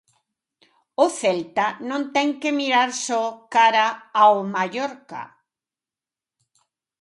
O Celta non ten que mirar só cara ao Mallorca.